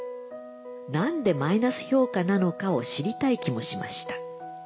何でマイナス評価なのかを知りたい気もしました。